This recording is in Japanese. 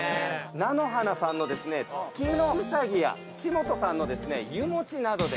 「菜の花」さんの月のうさぎや「ちもと」さんの湯もちなどで。